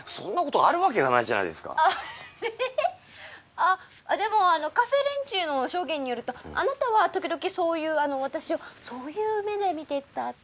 あっでもあのカフェ連中の証言によるとあなたは時々そういうあの私をそういう目で見ていたと。